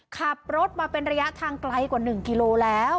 ขับรถมาเป็นระยะทางไกลกว่า๑กิโลแล้ว